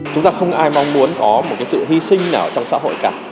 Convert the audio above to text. chúng ta không ai mong muốn có một sự hy sinh nào trong xã hội cả